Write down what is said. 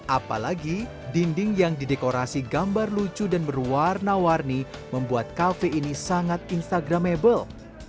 apalagi dinding yang didekorasi gambar lucu dan berwarna warni membuat kafe ini sangat instagramable